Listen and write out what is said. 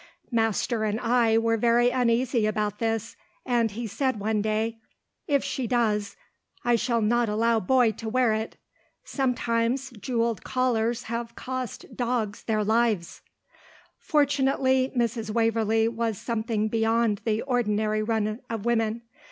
Master and I were very uneasy about this, and he said one day, "If she does, I shall not allow Boy to wear it. Sometimes, jewelled collars have cost dogs their lives." Fortunately Mrs. Waverlee was something beyond the ordinary run of women.